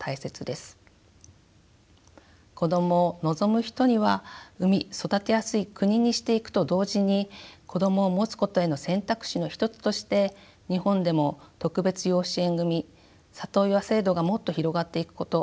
子どもを望む人には産み育てやすい国にしていくと同時に子どもを持つことへの選択肢の一つとして日本でも特別養子縁組み里親制度がもっと広がっていくこと。